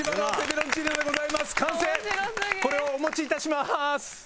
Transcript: これをお持ち致しまーす。